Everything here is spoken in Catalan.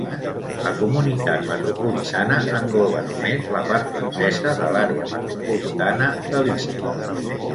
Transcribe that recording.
La comunitat metropolitana engloba només la part francesa de l'àrea metropolitana de Lilla.